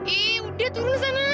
ih udah turun ke sana